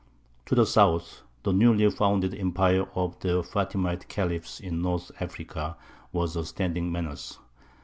To the south the newly founded empire of the Fātimite Khalifs in North Africa was a standing menace.